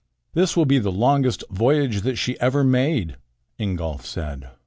"This will be the longest voyage that she ever made," Ingolf said.